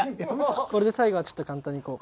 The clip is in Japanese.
これで最後はちょっと簡単にこう。